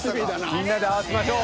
みんなで合わせましょう。